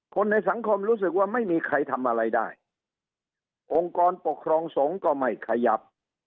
คนในสังคมรู้สึกว่าไม่มีใครทำอะไรได้องค์กรปกครองสงฆ์ก็ไม่ขยับ